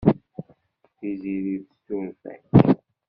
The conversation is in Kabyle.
Tiziri tessuref-ak.